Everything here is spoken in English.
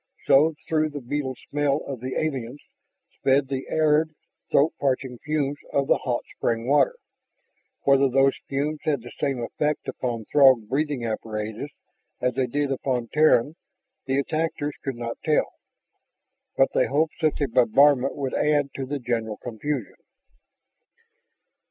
So, through the beetle smell of the aliens, spread the acrid, throat parching fumes of the hot spring water. Whether those fumes had the same effect upon Throg breathing apparatus as they did upon Terran, the attackers could not tell, but they hoped such a bombardment would add to the general confusion.